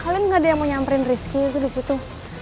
kalian gak ada yang mau nyamperin risky itu disitu